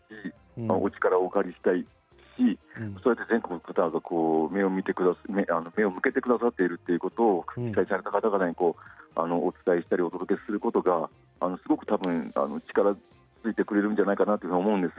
お力をお借りしたいし全国の方々が目を向けてくださっているということを被災された方々にお届けすることで力づいてくれるんじゃないかなと思います。